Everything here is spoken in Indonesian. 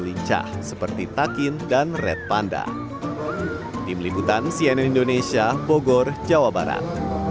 lincah seperti takin dan red panda tim liputan cnn indonesia bogor jawa barat